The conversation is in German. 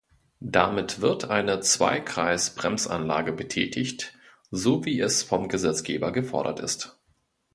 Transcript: Damit wird eine Zweikreisbremsanlage betätigt, so wie es vom Gesetzgeber gefordert ist.